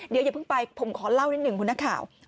เดี๋ยวอย่าเพิ่งไปผมขอเล่านิดหนึ่งคุณนักข่าว